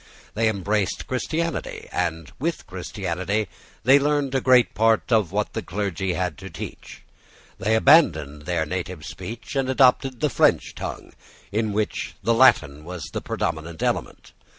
They embraced Christianity; and with Christianity they learned a great part of what the clergy had to teach. They abandoned their native speech, and adopted the French tongue, in which the Latin was the predominant element.